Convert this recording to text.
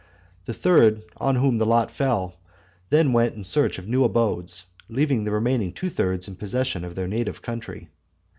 The third upon whom the lot fell, then went in search of new abodes, leaving the remaining two thirds in possession of their native country.